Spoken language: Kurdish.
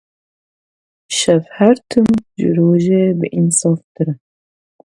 Şev her tim ji rojê biînsaftir e.